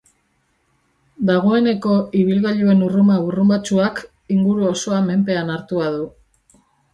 Dagoeneko ibilgailuen urruma burrunbatsuak inguru osoa menpean hartua du.